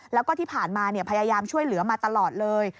แล้วก็ที่ผ่านมาพยายามช่วยเหลือมาตลอดเลย